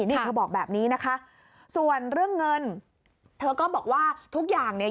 นี่เธอบอกแบบนี้นะคะส่วนเรื่องเงินเธอก็บอกว่าทุกอย่างเนี่ย